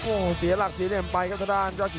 โอ้เสียหลักเสียเนียมไปก็ได้ครับ